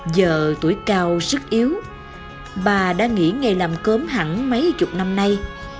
giờ tuổi cao sức yếu bà đã nghỉ ngày làm cốm hẳn mấy chục năm nay